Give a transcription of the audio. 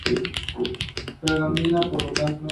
Esto a pesar de que este último era apoyado por el papa.